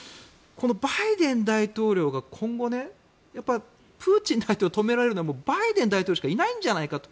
バイデン大統領が今後プーチン大統領を止められるのはもうバイデン大統領しかいないんじゃないかと。